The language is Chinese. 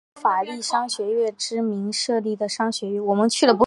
欧法利商学院之名设立的商学院。